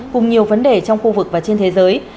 cùng nhiều vấn đề trong khu vực và trên thế giới